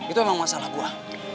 itu emang masalah gue